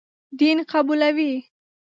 دین قبولوي.